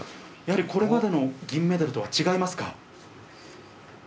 やはりこれまでの銀メダルとは、違いますか？